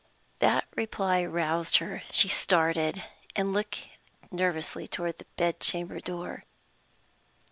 That reply roused her. She started, and looked nervously toward the bed chamber door.